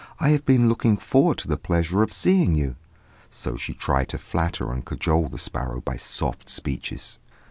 I have been looking forward to the pleasure of seeing you." So she tried to flatter and cajole the sparrow by soft speeches.